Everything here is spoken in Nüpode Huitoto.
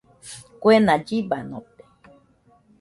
Kuena llibanote.